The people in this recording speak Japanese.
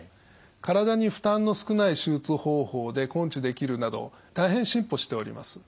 体に負担の少ない手術方法で根治できるなど大変進歩しております。